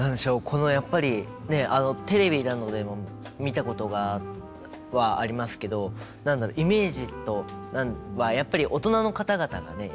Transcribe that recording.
このやっぱりねテレビなどでも見たことはありますけど何だろう？イメージはやっぱり大人の方々がね